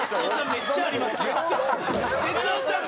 めっちゃありますやん。